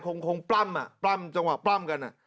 คงปล้ำอ่ะปล้ำจังหวะปล้ำกัน